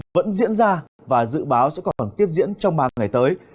vẫn diễn ra và dự báo sẽ còn tiếp diễn trong ba ngày tới